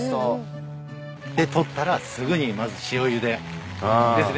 で採ったらすぐにまず塩ゆで。ですね？